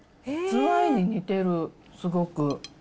ズワイに似てる、すごく。